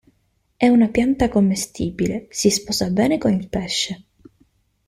È una pianta commestibile, si sposa bene con il pesce.